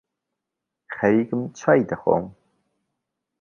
خەریکم چای دەخۆم